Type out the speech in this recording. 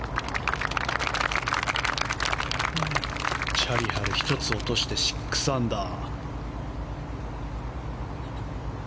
チャーリー・ハル１つ落として６アンダー。